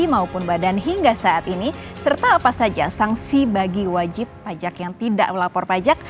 maupun badan hingga saat ini serta apa saja sanksi bagi wajib pajak yang tidak melapor pajak